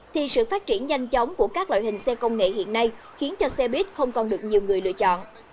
thì sự phát triển nhanh chóng của các loại hình xe công nghệ hiện nay khiến cho xe buýt không còn được nhiều người lựa chọn